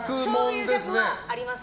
そういうギャグはありますか？